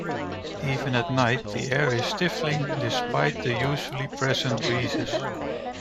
Even at night the air is stifling despite the usually present breezes.